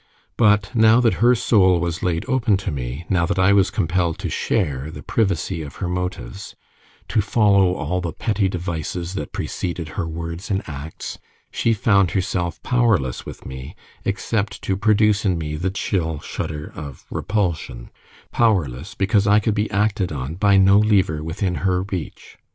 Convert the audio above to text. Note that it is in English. But now that her soul was laid open to me, now that I was compelled to share the privacy of her motives, to follow all the petty devices that preceded her words and acts, she found herself powerless with me, except to produce in me the chill shudder of repulsion powerless, because I could be acted on by no lever within her reach.